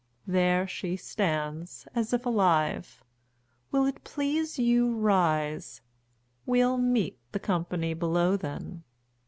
There she stands As if alive. Will't please you rise? We'll meet The company below, then.